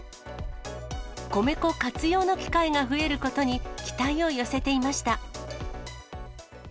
米粉活用の機会が増えることに、期待を寄せていました。